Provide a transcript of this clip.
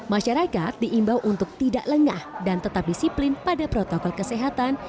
masyarakat diimbau untuk tidak lengah dan tetap disiplin pada protokol kesehatan